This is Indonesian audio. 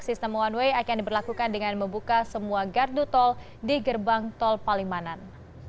sistem one way akan diberlakukan dengan membuka semua gardu tol di gerbang tol palimanan